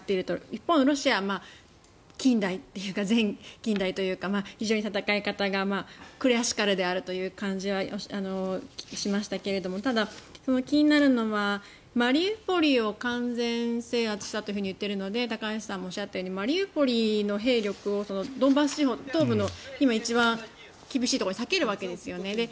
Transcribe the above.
一方のロシアは近代というか前近代というか非常に戦い方がクラシカルであるという感じがしましたがただ、気になるのはマリウポリを完全制圧したと言っているので高橋さんもおっしゃったようにマリウポリの兵力を東部のドンバス地方今一番厳しいところに割けるわけですよね。